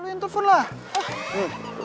lo yang telepon lah